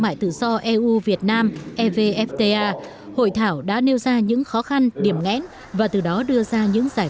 mại tự do eu việt nam evfta hội thảo đã nêu ra những khó khăn điểm ngẽn và từ đó đưa ra những giải